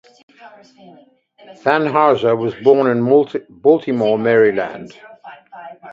Thanhouser was born in Baltimore, Maryland.